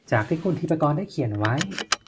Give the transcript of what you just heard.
จากที่คุณทีปกรได้เขียนไว้